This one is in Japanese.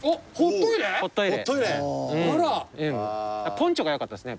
ポンチョがよかったですね